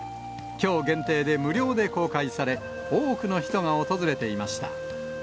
きょう限定で無料で公開され、多くの人が訪れていました。